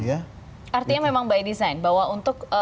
artinya memang by design bahwa untuk